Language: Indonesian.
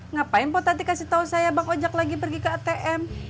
ngapain potati kasih tau saya bang oja lagi pergi ke atm